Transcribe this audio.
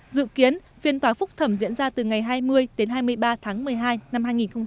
dự kiến phiên tòa phúc thẩm diễn ra từ ngày hai mươi đến hai mươi ba tháng một mươi hai năm hai nghìn hai mươi